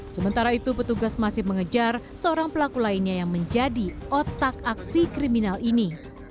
sementara itu petugas masih mengejar seorang pelaku lainnya yang menjadi otak aksi kriminal ini